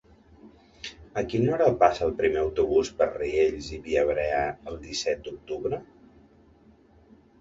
A quina hora passa el primer autobús per Riells i Viabrea el disset d'octubre?